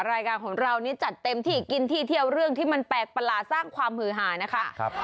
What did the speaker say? รายการของเรานี่จัดเต็มที่กินที่เที่ยวเรื่องที่มันแปลกประหลาดสร้างความหือหานะคะ